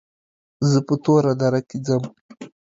زه په توره دره کې ځم.